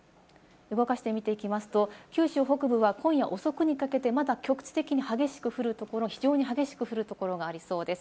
動かしてみていきますと九州北部は今夜遅くにかけてまた局地的に激しく降るところ、非常に激しく降るところがありそうです。